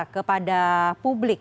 atau ada publik